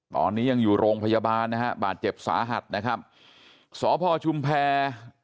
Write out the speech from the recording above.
ตอนนี้ยังอยู่โรงพยาบาลนะฮะบาดเจ็บสาหัสนะครับสพชุมแพร